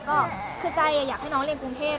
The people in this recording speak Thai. ก็คือใจอยากให้น้องเรียนกรุงเทพ